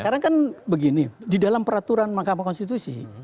karena kan begini di dalam peraturan mahkamah konstitusi